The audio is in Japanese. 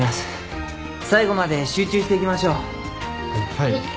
はい。